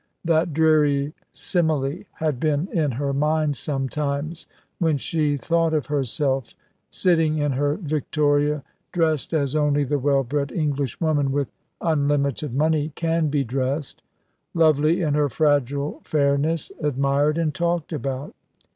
That dreary simile had been in her mind sometimes when she thought of herself, sitting in her victoria, dressed as only the well bred English woman with unlimited money can be dressed, lovely in her fragile fairness, admired and talked about.